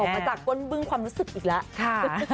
ออกมาจากกล้นเบื้องความรู้สึกอีกแล้วค่ะ